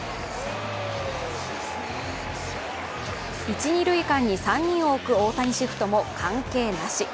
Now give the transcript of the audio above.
一・二塁間に３人を置く大谷シフトも関係なし。